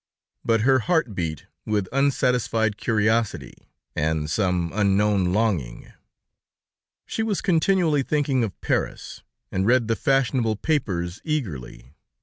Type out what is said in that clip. But her heart beat with unsatisfied curiosity, and some unknown longing. She was continually thinking of Paris, and read the fashionable papers eagerly.